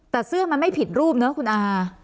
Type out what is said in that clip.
แต่เสื้อมันไม่ผิดรูปเนอะคุณอา